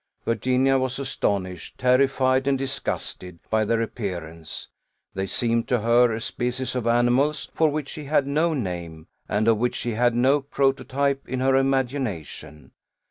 Virginia was astonished, terrified, and disgusted, by their appearance; they seemed to her a species of animals for which she had no name, and of which she had no prototype in her imagination.